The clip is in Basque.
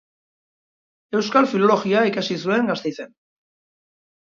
Euskal Filologia ikasi zuen Gasteizen.